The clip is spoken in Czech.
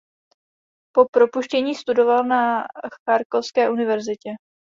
Po propuštění studoval na Charkovské univerzitě.